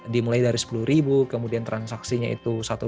dimulai dari sepuluh kemudian transaksinya itu